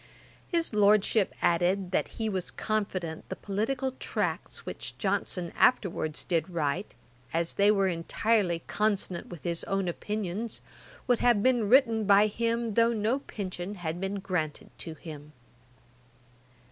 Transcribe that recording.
His Lordship added, that he was confident the political tracts which Johnson afterwards did write, as they were entirely consonant with his own opinions, would have been written by him though no pension had been granted to him.